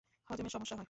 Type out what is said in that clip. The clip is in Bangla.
হজমে সমস্যা হয়।